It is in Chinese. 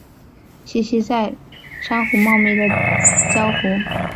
栖息在珊瑚茂密的礁湖。